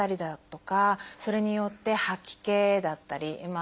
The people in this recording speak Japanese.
それによって吐き気だったり。